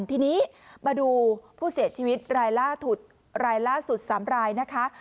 ทีนี้มาดูผู้เสียชีวิตรายล่าสุด๓รายนะคะ